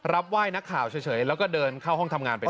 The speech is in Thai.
ไหว้นักข่าวเฉยแล้วก็เดินเข้าห้องทำงานไปเลย